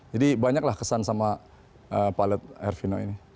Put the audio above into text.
jadi banyaklah kesan sama pilot arvindo ini